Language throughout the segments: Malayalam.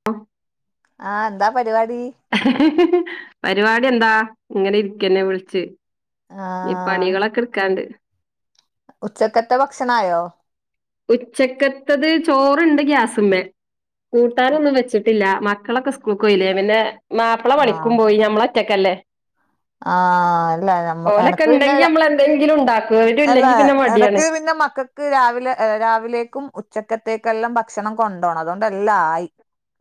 [unintelligible] ആഹ് ന്താ പരിപാടി പരിപാടി എന്താ ഇങ്ങനെ ഇരിക്കെന്നെ വിളിച്ച് ഞ്ഞി ആഹ് പണികളൊക്കെ എടുക്കാണ്ട് ഉച്ചക്കത്തെ ഭക്ഷണായോ? ഉച്ചക്കത്തത് ചോറുണ്ട് ഗ്യാസ്മ്മേ കൂട്ടാനൊന്നും വെച്ചിട്ടില്ല മക്കളൊക്കെ സ്കൂൾക്ക് പോയില്ലേ പിന്നെ മാപ്പള ആഹ് പണിക്കും പോയി ഞമ്മളൊറ്റക്കല്ലേ ആഹ് അല്ല നമ്മ് ഓലൊക്കെ എനക്ക് പിന്നെ ഉണ്ടെങ്കി നമ്മൾ എന്തെങ്കിലും ഉണ്ടാക്കും അവരും അല്ല ഇല്ലെങ്കി പിന്നെ മടിയാണ് എനക്ക് പിന്നെ മക്ക ക്ക് രാവിലെ രാവിലേക്കും ഉച്ചക്കത്തേക്കെല്ലാം ഭക്ഷണം കൊണ്ടോണം അതുകൊണ്ട എല്ലാ ആയി,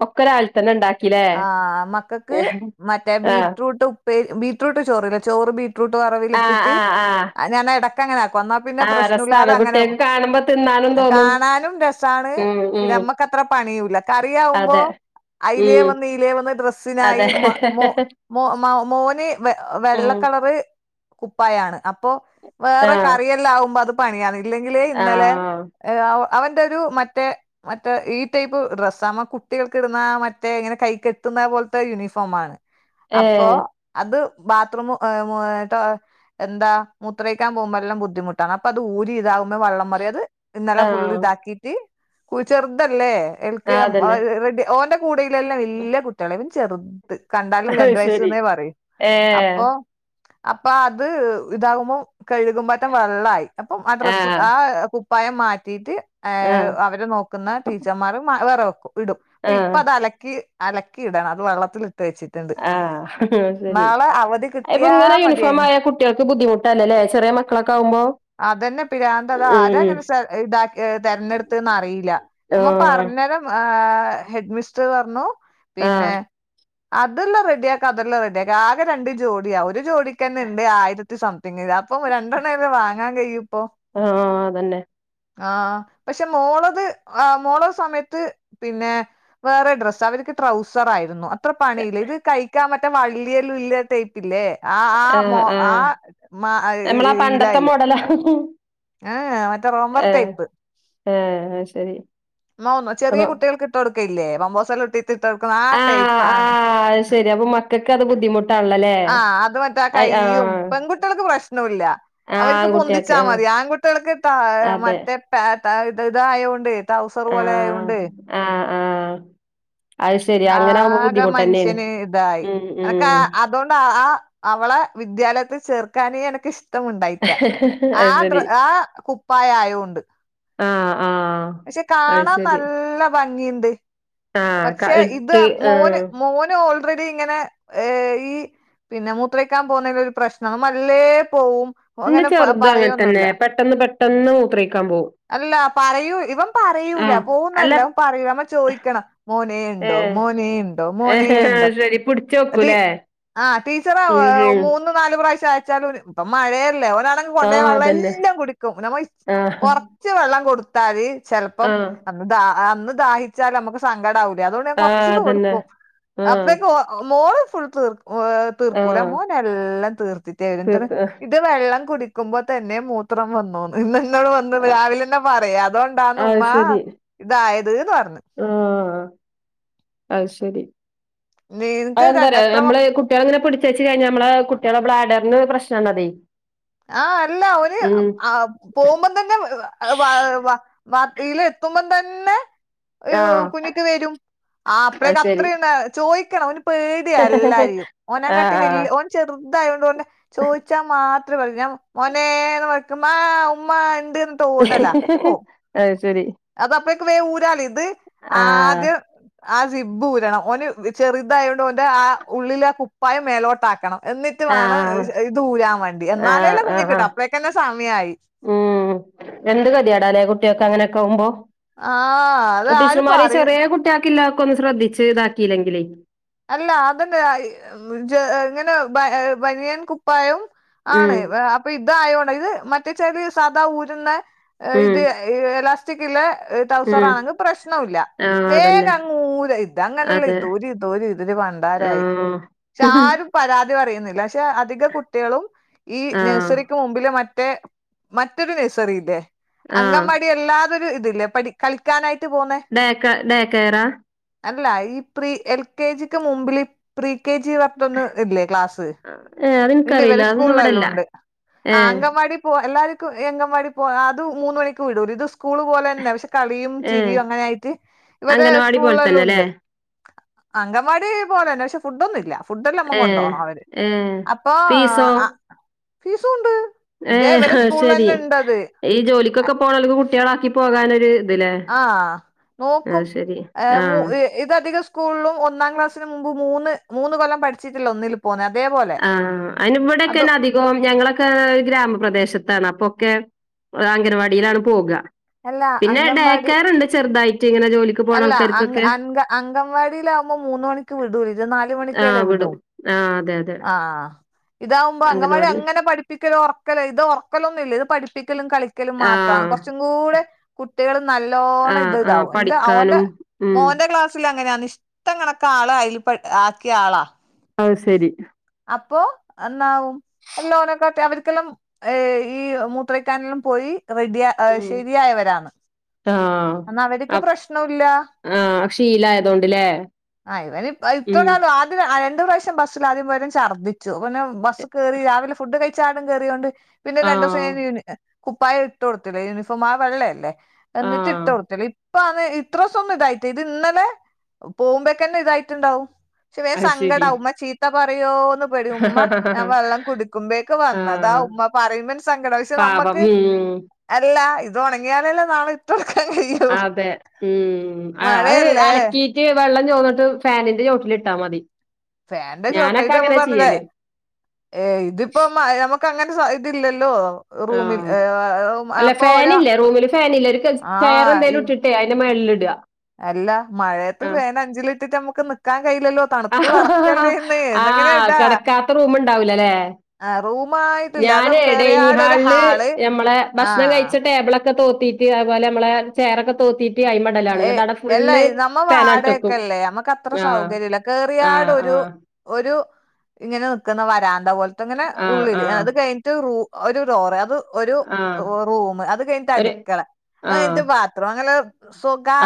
ഒക്കെ ഒരാൾ തന്നെ ഉണ്ടാക്കില്ലേ ആഹ്, മക്കക്ക് മറ്റേ ആ ബീട്ട്റൂട്ട് ഉപ്പേ ബി ബീട്രൂട്ട് ചോറിലെ ചോറ് ബീട്രൂട്ട് ആ വറവിലിട്ടിട്ട് ആ ആ അത് ഞാനട ക്കങ്ങനാക്കും ന്നാ പിന്നെ ആ രസാണ് പ്രശ്നുല്ലാതെ അങ്ങനെ കുട്ടികൾക്ക് കാണുമ്പോ തിന്നാനും അ തോന്നും കാണാനും രസാണ് ഉം ഉം പിന്നെമ്മക് ക്കത്ര പണിയുല്ല, കറിയാവുമ്പോ, അതെ ഉം അയ്ലേവന്ന് ഇയ്ലേ വന്ന് ഡ്രസ്സിനായി അതെ മ മോ മോ മ മോന്, വെ ഉം വെള്ളക്കളറ് കുപ്പായാണ് അപ്പോ ആ വേറെ കറിയെല്ലാവുമ്പോ അത് പണിയാണ് ഇല്ലെങ്കിലെ ആ ഇന്നലെ ഏ അവ അവന്റെ ഒരു മറ്റേ മറ്റേ ഈ ടൈപ്പ് ഡ്രസാ അമ്മ കുട്ടികൾക്ക് ഇട്ന്ന മറ്റേ ഇങ്ങനെ കൈ കെത്ത്ന്ന പോല്ത്തെ യൂനിഫോമാണ് ഏ അപ്പോ അത് ബാത്ത്റൂമ് ഏ [unintelligible] ടോ എന്താ മൂത്രയ്ക്കാ പോവുമ്പല്ലാം ബുദ്ധിമുട്ടാണ് അപ്പ അത് ഊരി ഇതാവുമ്പോ വള്ളം മറിയത്- ഇന്നലെ ഫുള്ള് ആ ഇതാക്കീട്ട് കു ചെറ്തല്ലേ ആ എൽക്കെ മ്മ് അതന്നെ [unintelligible] ഓന്റെ കൂടെ ഇ ല്ല ല്ലാം വല്യ കുട്ട്യളെ ഇവൻ ചെറ്ത് കണ്ടാലും അത് രണ്ട് ശരി വയസ്സ്ന്നേ പറയൂ ഏ അപ്പൊ അപ്പൊ അത് ഇത് ആകുമോ കഴുകുപത്തെ വെള്ളായി അപ്പം ആ ഡ്രസ്സ് ആ കുപ്പായം മാറ്റീട്ട്, ആ ഏഹ് അവരെ നോക്കുന്ന ടീച്ചർമാരും വേറെ വെക്കും ഇടും അപ്പൊ ആ ഇപ്പതലക്കി, അലക്കി ഇടണം അത് വെള്ളത്തിലിട്ട് വെച്ചിട്ടുണ്ട്, ആഹ് ശെരി, നാളെ അവധി അയ്പ്പൊ കിട്ടിയാ ഇങ്ങനെ യൂണിഫോം മതിയായിന് ആയാ കുട്ടിയക്ക് ബുദ്ധിമു ല്ലലെ ചെറിയ മക്കളൊക്കാവുമ്പോ അതന്നെ പിരാന്ത്‌ അതാരങ്ങനെ സെ ഇതാക് തെരഞ്ഞെട്ത്ത്ന്നറീല ആ നമ്മ പറഞ്ഞേരം ആ ഹെഡ് മിസ്റ്റർ പറഞ്ഞു ആ പിന്നെ അത്‌ല്ലാം റെഡിയാക്കാം അതെല്ലാം റെഡിയാക്കാം ആകെ രണ്ട് ജോഡിയാ ഒരു ജോഡിക്കന്നെണ്ട് ആയിര ത്തി സംതിങ് അപ്പൊ രണ്ടെണ്ണ ലെ വാങ്ങാകഴിയുപ്പോ ആഹ് അതന്നെ ആഹ് പക്ഷെ മോളത് ആ മോള സമയത്ത് പിന്നെ വേറെ ഡ്രസ്സാ അവർക്ക് ട്രൗസർ ആയിരുന്നു അത്ര പണിയില്ല ഇത് കഴിക്കാ പറ്റാ വള്ളിയലുല്യ ട്ടയ് ഇല്ലേ ആ ആ മോ ആ മ അഹ് ഹ് ഹ് ഇ ല അയ്ല് ഹ ഹ് ഹു ആഹ് മറ്റേ റോംബർ ടൈപ്പ്. ഏഹ് അത് ശരി [unintelligible] ചെറ്യേ അപ്പൊ കുട്ട്യേള്ക്ക് ഇട്ടോട്ക്കെല്യേ പമ്പേഴ്സെല്ലാം ഇട്ടിട്ട് ഇട്ടോട്ക്ക്ണേ ആ ആ ടൈപ്പാണ് അത് ശെരി അപ്പൊ മക്കക്കത് ബുദ്ധിമുട്ടാൺള്ളല്ലേ അത് ആഹ് ട്ടൾക്ക് പ്രഷ്നുല്ല അവര്ക്ക് പൊന്തിച്ചാ ആ മതി ആൺകു ട്ട്യേള്ക്ക് താ അതെ മറ്റേ പേ [unintelligible] ഇതായോണ്ട് ടൗസർ പോലായൊണ്ട് ആഹ് ആഹ് അത് ശെരി അങ്ങനാവുമ്പോ ആകെ ബുദ്ധിമുട്ടെന്നെണ് ഉം ഉം അതോണ്ട് ആ അവളെ വിദ്യാലയത്ത് ചേർക്കാനെ എനക്ക്ഷ് ത്ത മുണ്ടായ്റ്റാ ആ അത് ഡ്ര ശരി ആ കുപ്പായ ആയോണ്ട് ആഹ് ആഹ് പക്ഷെ അത് കാണാ ശരി നല്ല ഭംഗിണ്ട് ആഹ് ക പക്ഷെ ഇത് ഇട്ട് മോന് ആഹ് മോന് ഓൾറെഡി ഇങ്ങനെ ഏഹ് ഈ പിന്നെ മൂത്രയ്ക്കാ പോന്നെൽ ഒരു പ്രശ്നം അവമെല്ലെ പോവും ഇന്റെ അങ്ങനെ ചെറ്തും അങ്ങനെ തന്നെ പറയൊന്നുല്ല പെട്ടെന്ന് പെട്ടെന്ന് മൂത്രയ്‌ക്കാൻ പോവും. അല്ല പറയൂ ഇവൻ പറയൂല ആഹ് അല്ല പോവുന്നല്ല അവൻ പറയൂല നമ്മ ചോയിക്കണം മോനേ ഇണ്ടോ ഏഹ് മോനേ ഇണ്ടോ മോനേ ഏഹ് അത് ഇണ്ടോ ശരി പിടിച്ച് അത് വെക്കൂലേ? ആഹ് ടീച്ചറ ഉം വെ ഉം മൂന്ന് നാല് പ്രാവശ്യം അയച്ചാലും ഇപ്പ മഴയല്ലേ ഒരാളെ ന്ന് ആഹ് അതന്നെ കൊണ്ടേയവള്ളല്ലാം കുടിക്കും നമ്മ ഇ ആഹ് കൊറച്ച് വെള്ളം കൊടുത്താല് ചെല്‌പ്പം ആഹ് അന്ന് ദാ അന്ന് ദാഹിച്ചാലമ്മക്ക് സങ്കടാവൂലെ അതോണ്ട് ഞാൻ ആഹ് കൊറച്ച്ക്ക് അതന്നെ കൊട്ക്കും ആഹ് അപ്പേയ്ക്കു ഓ ഒഹ് മോള് ഫുൾ തീർ ഏ തീർക്കൂല ആഹ് മോനല്ലാം തീർത്ത്ട്ടെ വെരൂ ഇന്നെട്ടറിം തീർത്ത് ഇ ഇത് വെള്ളം കുടിക്കുമ്പോ തന്നെ മൂ മൂത്രം വന്നൂന്ന് ഇന്നോട് വന്ന് രാവിലെന്നെ പറയാ അതുകൊണ്ടാണ് അത് ഉമ്മാ ശരി ഇതായത് ന്ന് പറഞ്ഞു. ആഹ് അത് ശരി. നിനക്ക് അതെന്താ അറിയോ എത്ര മക്ക ഞമ്മള് കുട്ടികള് ഇങ്ങനെ പിടിച്ച് വെച്ച് കഴിഞ്ഞാ നമ്മളെ കുട്ടികളെ ബ്ലാഡറിന് പ്രശ്നാണതെ ആഹ് അല്ല ഓല് ആ പോവുമ്പം തന്നെ [unintelligible] വാത് ഈലെത്തുമ്പം തെന്നെ ഏഹ് ആഹ് കുഞ്ഞിക്ക് വെരും ആഹ് അത് അപ്പഴേക്ക് ശരി അത്രയും നേ ചോയിക്കണം ഓന് പേടിയാ എല്ലാരെയും ആഹ് ഓനെകാട്ടി വെൽ ആഹ് ഓൻ ചെറുതായതോണ്ട് ചോദിച്ചാ മാത് [unintelligible] ഞാ മോനെന്ന് വിളിക്കുമ്പോ ആഹ് ഉമ്മാ ഇണ്ട് ഓടലാ എന്നിട്ട് പോവും അത് ശരി. അത് അപ്പേക് വേ ഊരാലോ ഇത് ആഹ് ആദ്യം ആ സിബ്ബ് ഊരണം ഓന് വി ചെറുതായതോണ്ട് ഓൻ്റെ ആ ഉള്ളിലെ ആ കുപ്പായം മേലോട്ടാക്കണം. എന്നിറ്റ് വാണം ഇ ആഹ് ഷ് ഇതൂരാൻ വാണ്ടി ആഹ് എന്നാലേല്ലേ ആഹ് ആഹ് കുഞ്ഞിക്ക്ടാ അപ്പളേക്കെന്നെ സമയായി. ഉം എന്ത് ഗതിയേടാലേ കുട്ടിയാക്ക് അങ്ങനെയൊക്കെ ആവുമ്പോ. ആഹ് അത് ആരും ടീച്ചർമാര് പറയ ചെറിയെ കുട്ടിയാക്ക് ഇല്ലതൊക്കെ ഒന്ന് ശ്രദ്ധിച്ച് ഇതാക്കിയില്ലെങ്കിലെ അല്ല അതന്നെ [unintelligible] ഇങ്ങനെ ബ ബനിയൻ കുപ്പായോം ഉം ആണ് അപ്പൊ ഇതായോണ്ടാ ഇത് മറ്റ്ച്ചായി സാദാ ഊരുന്ന ഏഹ് ഉം ഇത് എലാസ്റ്റിക് ഇള്ളേ ഏഹ് ഉം ടൗസറാണെങ്കിൽ പ്രശ്നോ ഇല്ല ആഹ് അതന്നെ വേഗങ്ങ് ഊരാ ഇതങ്ങനല്ല അതെ ഇതൂരി എന്തോര് ഇതില് പണ്ടാരായി ആഹ് പക്ഷെ ആരും പരാതി പറയുന്നില്ല ഷ് അധിക കുട്ട്യേളും ഈ ആഹ് നഴ്സറിക്ക് മുമ്പില് മറ്റേ മറ്റൊരു നഴ്സറി ഇല്ലേ ആഹ് അങ്കവാടി അല്ലാതൊരു ഇതില്ലേ പഠി കളിക്കാനായിട്ട് പോകുന്നെ ഡേക്കാ ഡേക്കെയറാ അല്ല ഈ എൽ കെ ജിക്ക് മുമ്പില് ഈ പ്രി കെ ജി [unintelligible] ഇല്ലേ ക്ലാസ് ഏ ഇണ്ട് ഇവരെ അതെനിക്കറിയില്ല അതൊന്നും സ്കൂളിലെല്ലോ ഇവിടെല്ല ഇണ്ട് ഏ ആഹ് അങ്കവാടി ഇപ്പോ എല്ലാര്ക്കും ഈ അങ്കൻവാടി പോ അത് മൂന്ന് മണിക്ക് വിടൂലോ ഇത് സ്കൂള് പോലെന്നെ പക്ഷെ കളിയും ഏ ചിരിയും അങ്ങനെ ആയിറ്റ് ഇവരെ അംഗനവാടി പോലെ സ്കൂളിലെല്ലാം തന്നെല്ലേ ഉണ്ട്. അങ്കൻവാടി പോലെന്നെ പക്ഷെ ഫുഡൊന്നും ഇല്ല. ഫുഡെല്ലാം നമ്മ ഏ കൊണ്ടോണം അവര് ഏ അപ്പൊ ഫീസോ ആ ഫീസും ഉണ്ട്. ഏ ഇതെ അവരെ അത് ശരി സ്കൂളിലെന്നെ ഇണ്ടത്. ഈ ജോലിക്കൊക്കെ പോണോൽക്ക് കുട്ടികളാക്കി പോകാനൊരു ഇതില്ലേ ആഹ് അത് മോക്കും ശരി ഏഹ് മൂ ആഹ് [unintelligible] ഇത് അധികം സ്കൂളിലും ഒന്നാം ക്ലാസിന് മുമ്പ് മൂന്ന് മൂന്ന് കൊല്ലം പഠിച്ചിട്ടില്ല ഒന്നിലും. പോനതേപോ ആഹ് അയിന് ഇവിടെയൊക്കെ അയിന് അധി ഇപ്പ ഞങ്ങളൊക്കെ ഏഹ് ഗ്രാമപ്രദേശത്താണ് അപ്പൊക്കെ അംഗനവാടിയിലാണ് പോകാ അല്ല പിന്നെ അംഗൻവാടി ഡേക്കെയറുണ്ട് ചെറുതായിറ്റ് ഇങ്ങനെ ജോലി അല്ല അം അംഗൻ അങ്കൻവാടിലാകുമ്പോ മൂന്ന് മണിക്ക് വിടൂ ഇത് നാല് മണിക്കല്ലേ ആഹ് വിടു. വിടും ആഹ് അതെ അതെ ആഹ്. ഇതാവുമ്പോ അങ്കവാടി അംഗനവാടി അങ്ങനെ പഠിപ്പിക്കലോ ഒറക്കലോ ഇത് ഒറക്കലൊന്നും ഇല്ല ഇത് പഠപ്പിക്കലും കളി കളിക്കലും മാത്രാണ് ആഹ് കൊറച്ചും കൂടെ കുട്ട്യേള് നല്ലോണം ഇത് ആഹ് ആഹ് ഇതാവും. [unintelligible] ഓന്റെ പഠിക്കാനും ഉം മോന്റെ ക്ലാസില് അങ്ങനെയാന്ന് ഇഷ്ട്ടം കണക്കെ ആള് അയിൽ പെട് ആക്കിയ ആളാ. അത് ശരി. അപ്പോ എന്നാവും എല്ലോ ഓനക്കാട്ടി അവര്ക്കെല്ലാം ഏഹ് ഈ മൂത്രൊയ്ക്കാനെല്ലാം പോയി റെഡിയാ ഏഹ് ഉം ശരിയായവരാണ് ആഹ് എന്നാ അവര് ക്ക് അപ് പ്രശ്നുല്ല ആഹ് ശീലായതോണ്ട്ല്ലേ ആ ഇവന് ഉം ഇപ്പനേള്ളൂ. രണ്ട് പ്രാവശ്യം ബസ്സിൽ ആദ്യം പോയേരം ഛർദ്ദിച്ചു പിന്നെ ബസ് കയറി രാവിലെ ഫുഡ് കഴി ചാടും കയറിയൊണ്ട് പിന്നെ രണ്ട് ദിവസം ആഹ് ഞാൻ കുപ്പായ ഇട്ട് കൊടുത്തില്ലേ യൂണിഫോം ആ വെള്ളയല്ലേ എന്ന്ട്ട് ഇട്ട് ആഹ് കൊടുത്തില്ല ഇപ്പൊ അത് ഇത്ര സ്വം ഇതായിട്ട് ഇത് ഇന്നലെ പോകുമ്പോക്കെന്നെ ഇതായിട്ട്ണ്ടാവും. പക്ഷ വേ അത് ശരി സങ്കടാവും ഉമ്മ ചീത്ത പറയോന്ന് പേടി ഉമ്മ ഞാൻ വെള്ളം കുടുക്കുമ്പോഴേക്കെ വന്നതാ ആഹ് ഉമ്മ പറയുമ്പ സങ്കട പക്ഷേ പാപം നമ്മക്ക് ഉം അല്ല ഇത് ഉണങ്ങിയാലല്ലേ നാളെ ഇട്ടൊടുക്കാൻ കഴിയൂ അതെ ഉം അഹ് അഹ് മഴയല്ലേ അലക്കി വെള്ളം ചോന്നിട്ട് ഫാനിന്റെ ചോട്ടിലിട്ടാൽ മതി. ഫാന്റെ ഞാനൊക്കെ ചോട്ടായിട്ടമ്മ അങ്ങനെ പറഞ്ഞില്ലേ ചെയ്യല് ഏ ഇതിപ്പോ നമുക്ക് അങ്ങനെ സാ ഇതില്ലല്ലോ റൂമിൽ ആഹ ഏ, ഉം, അല്ല അപ്പൊ ഒരാ ഫാനില്ലെ റൂമില് ഫാനില്ലെ ഒരു ചെയർ ആഹ് ഈ എന്തായാലും ഇട്ടി ട്ടേയ് അയിന്റെ മേളിൽ ഇടാ അല്ല മഴയത്ത് ഫാൻ അഞ്ചിലിട്ടിട്ട് നമ്മുക്ക് നിക്കാൻ കയ്യില്ലല്ലോ ആ ആ ഇടാ കിടക്കാത്ത റൂമ് ഉണ്ടാവ ൂല്ലല്ലേ? ആ റൂമായിട്ടില്ല അത് ഞാന് കേറിയാട് ഒരു ഡൈനിഹാളില് ഹാള് നമ്മളെ ഭക്ഷണം ആഹ് കഴിച്ച ടേബിളൊക്കെ തോർത്തിട്ട് ആതേപ്പോലെ നമ്മളെ ചെയറെക്കെ തോർത്തിട്ട് അയിമ്മ ഏയ് അല്ലയ് നമ്മ വെക്കും. വാടയൊക്കെല്ലേ നമ്മുക്ക് അത്ര ആഹ് സൗകര്യല്ലാ കേറിയാട ആഹ് ഒരു ആഹ് ഒരു ഇങ്ങനെ നിക്കുന്ന വരാന്ത പോലെ അങ്ങനെ ആഹ് ആഹ് ഉള്ളില്അത് കഴിഞ്ഞിട്ട് റൂ ഒരു ടോറെ അത് ഒരു ആഹ് റൂമ് അത് കഴിഞ്ഞിട്ട് ഒരു അടുക്കള അത് ആഹ് കഴിഞ്ഞിട്ട് ബാത്റൂം അങ്ങനെ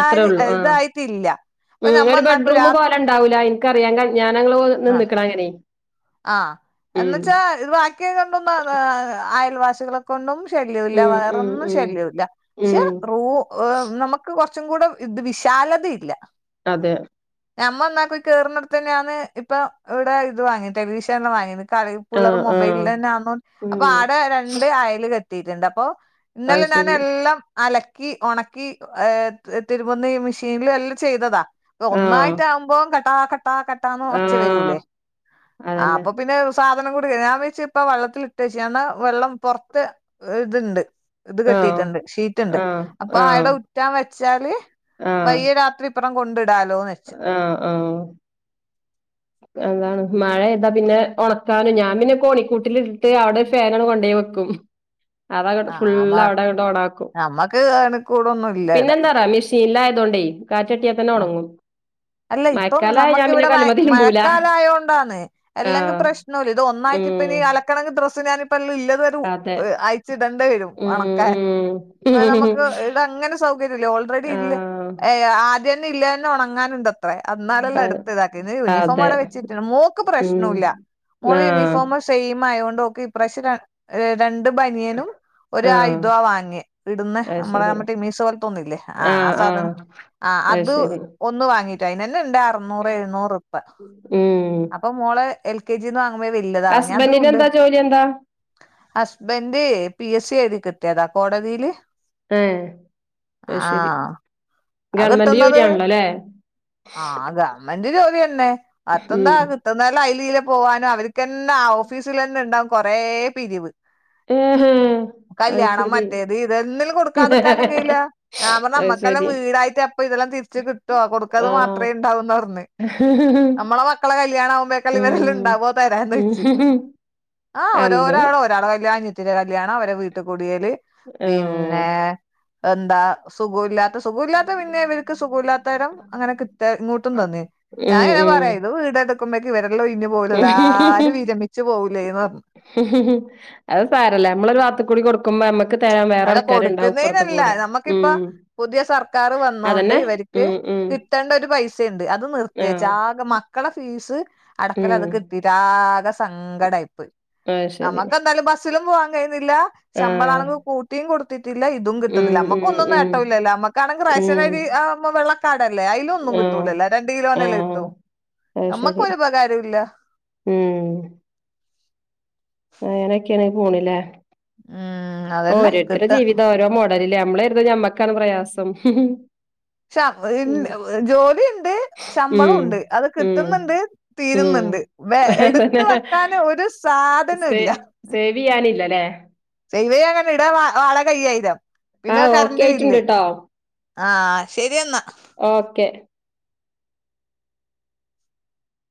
അത്രേ ഉള്ളൂ ആഹ്. ഇതായിട്ടില്ല അപ്പൊ ഉം നമ്മ ഒരു എന്നാക്കും ബെഡ്റൂം രാ പോലെണ്ടാവൂല എനിക്കറിയാ ഞാനങ്ങള് നിന്ന്ക്ണ് അങ്ങനെ ആഹ ഉം എന്നുവച്ചാ ഇത് ബാക്കിയ കണ്ടന്ന അയൽവാസികള കൊണ്ടും ശല്യമല്ല ഉം ഉം വേറൊന്നും ഉം ശല്യമല്ല ഉം പക്ഷെ റൂ നമുക്ക് കുറച്ചും കൂടെ ഇത് വിശാലത ഇല്ല അതെ ഞമ്മൾ ഒന്നാക്കയി കേയറുന്നിടത്ത തന്നെയാണ് ഇപ്പൊ ഇവിടെ ഇത് വാങ്ങിയത് ടെലിവിഷൻ വാങ്ങിയത്. കളി പിള്ളേർ ആഹ് ആഹ് മൊബൈലിൽ തന്നെ ആന്നേണ്ട് അപ്പൊ ഉം ആടെ രണ്ട് അയല് കട്ടിട്ടുണ്ട് അപ്പൊ അത് ഇന്നലെ ഞാൻ ശരി എല്ലാം അലക്കി ഒണക്കി തിരുമ്പുന്ന ഈ മെഷീനൽ എല്ലാം ചെയ്തതാ അ ആഹ് ഒന്നായിട്ട ആകുമ്പോം കട്ടാ കട്ടാ കടാന്ന് ഒച്ച ആഹ് വരൂലേ ആ അതന്നെ അപ്പൊ പിന്നെ- സാധനം കൊടുക്ക ഞാൻ വച്ച ഇപ്പ വെള്ളത്തിട്ട് വെച്ചു എന്നാൽ വെള്ളം പെറത്ത് ഇതുണ്ട് ഇത് ആഹ് കെട്ടിട്ടുണ്ട് ഷീറ്റ്ണ്ട് ആഹ് അപ്പൊ ആഹ് ആടെ ഉറ്റാൻ വെച്ചാല് വൈിയ രാത്രി ഇപ്പറം കൊണ്ടിടാലൊന്ന് ആഹ ആഹ അതാണ് മഴ ഏതാ പിന്നെ ഉണക്കാനും ഞാൻ പിന്നെ കോണിക്കൂട്ടിലിട്ടിട്ട് അവിടെ ഫൻണ് കൊണ്ടയി കും അതങ്ങട്ട് ഫുള് ആഹ് അവിടെ ഇടെ ഓണ ആക്കും നമ്മക്ക് അണുക്കൂടൊന്നും ഇല്ല ഇവിടെ പിന്നെന്താറീ മെഷി ഷിനിൽ ആയതുകൊണ്ടേ കാറ്റട്ടിയൽ തന്നെ ആ ഉണങ്ങും മയക്കാലായ ഞാൻ പിന്നെ ക മഴക്കാലയോണ്ടാണ് എല്ലെങ്കിൽ ആഹ് പ്രശ്നല്ല ഇത് ഒന്നായിട്ട് ഇപ്പ ഉം ഇനി അലക്കണങ്കി ഡ്രസ്സ്‌ ഞാൻ ഇപ്പല്ല ഇല്ലതൊരു അതെ അയച്ചിടേണ്ടി വരും ഉം ഉണക്കാൻ എന്ന ഉം നമുക്ക് ഇവിടെങ്ങനെ സൗകര്യല്ലേ ഓൾറെഡി ഇല്ല ആഹ് ആതിന്നെ ഇല്ല തന്നെ ഉണങ്ങാനുംണ്ട്- അത്ര എന്നാലല്ലാം അഹ് അടുത്ത ഇതാക്കി ഇ യൂണിഫോം അതെ അവിടെ വെച്ചിട്ടണ്ട് മോക്ക് ഉം പ്രശ്നുല്ല മോള് ആഹ് യൂണിഫോമ സെയിം ആയതോണ്ട് ഓക്ക് ഇപ്രാവശ്യ രണ്ട് ബനിയനും ഒ ആഹ് ആയുധമാ വാങ്ങിയ ഇടന്ന് അത് നമ്മളെ ശരി നമ്മ [unintelligible] പോലത്തൊന്നില്ലേ ആ ആ ആഹ് ആഹ് സാധനം. ആ അത് ഒന്ന് വാങ്ങിറ്റെ അയിന് നനെ ഇണ്ട് അറനൂറ് എഴുന്നൂറ് ഉപ്പ ഉം അപ്പൊ മോളെ എൽ കെ ജിന്ന് വാങ്ങുമ്പോ വല്യതാവാന് ഞാ അതും ഉണ്ട്. ഹസ്ബന്റിനെന്താ ജോലി എന്താ ഹസ്ബന്ഡ് പി എസ് സി എഴുതി കിട്ടിയതാ കോടതിയില് ഏ അയ് ശരി ആഹ് ഗവൺമെന്റ് ജോലിയാണല്ലോല്ലേ ആഹ അത് ഗവൺമ്മന്റ് ജോലി ന്നെ ഉം അതെന്താ ത് ന്നാലു അയ്ലീല പോവാനും അവര്ക്ക്ന്നെ ഓഫീസിൽ ന്നെണ്ടാവും കൊറേ പിരിവ്. മ് ഹ്.. കല്ല്യാണം മറ്റേത് ഇതെന്നിലും കൊടുക്കാത്ക്കാനും കയ്ല ഞാൻ പറ അത് അമ്മക്കെല്ലം ശരി വീടായിട്ടെപ്പ ഇതെല്ലാം തിരിച്ച് കിട്ടുവോ കൊടുക്കത് മാത്രേ ണ്ടാവൂന്ന് ർണ്. ഉ ഹ് ഹ് ഹ്.. അമ്മളെ മക്കളെ കല്യാണ ആമ്പഴേക്കാ ല്ല ഇവരെല്ലാം ണ്ടാവോ തരാൻ ഓയ്ച്ച്. ആ അന്ന് രാള് ഒരാളെ കല്യാണം കഴിഞ്ഞ്. ത്തിര കല്യാണം അവരെ വീട്ട് കുടിയല് ആഹ് പിന്നെ എന്താ സുഗോല്ലാ സുഗുല്ലാത്ത പിന്നെ ഇവര്ക്ക് സുഗുല്ലാത്തെരം അങ്ങനെ കെ ഇങ്ങോട്ടും തന്നി ഞാ ഉം ങ്ങനെ ഉം പറയു ഇത് വീടെ എടുക്കുമ്പോക്ക് ഇവരെല്ലോ ഒയ്ഞ്ഞ് പോലെ എല്ലാരും വിരമിച്ചു പോവ് ലെ പറ അത് സാരല്ല നമ്മളൊ ഭാത്കൂടി കൊടു ക്കുമ്പോ അമ്മക്ക് തെരാൻ വേറെ അല്ല ആൾക്കാര്ണ്ടാവും ഇപ്പർത്ത് കൊടുക്കുന്നതിനല്ല കൂടെ നമ്മക്കിപ്പ മ് അതെന്നെ. ക് കിട്ടേണ്ട ഒരു പൈസ ണ്ട് അത് നിർത്തിവെച്ച് ആഹ് ആകെ മാ മക്കള ഫീസ് അടക്കല ഉം അത് കിട്ടീട്ട് ആകെ സങ്കടയ് പോയ്‌. അത് ശരി നമ്മക്ക്ന്തായാലും ബസ്സിലും പോവാൻ കഴിയിന്നില്ല ശമ്പള ആഹ് ആണെങ്ക് കുട്ടിയും കൊടുത്തിട്ടില്ല ഇതും ഉം കിട്ടുന്നില്ല ഉം അമ്മുക്കൊന്നും ഉം നേട്ടമില്ലല്ലോ മ്മക്കാണെങ്ക് റേഷൻ ഉം അരി ആമ്പോ വെള്ള കാടല്ലേ അയിലൊന്നും ആഹ് കിട്ടൂലല്ല രണ്ട് കിലോനല്ലെ ആഹ് കിട്ടു അത് ശരി നമ്മക്കൊരുപകാരുല്ല. ഉം.. അങ്ങനൊക്കെയ്കാണ് പോണിലെ? മ്.. ഓരോരുത്തരെ ജീവിതം ഓരോ മോഡല് ലെ അമ്ള് രുതു ഞമ്മക്കാണ് പ്രയാസം ഹ് ഹ്.. ശ ജോലിണ്ട് ശമ്പളു ഉം ണ്ട് അത് ഉം കിട്ട്ന്ന്ണ്ട് ഉം തീര്ന്ന്ണ്ട് വെ അതന്നെ. എടുത്ത് വെക്കാന് ഒരു സാധനം സേ ഇല്ല. സേവ് ചെയ്യാനില്ലല്ലേ? സെയ്‌വ് യ്യ അങ്ങട്ട് ഇടാ വാടക അയ്യായിരം ആ പിന്നെ ഓക്കെ കറണ്ട് ബില്ല് ആയിട്ടുണ്ട് ട്ടോ ആഹ ശെരിന്നാ. ഓക്കെ.